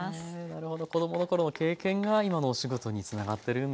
なるほど子供の頃の経験が今のお仕事につながってるんですね。